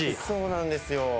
そうなんですよ